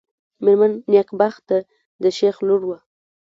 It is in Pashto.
مېرمن نېکبخته د شېخ لور وه.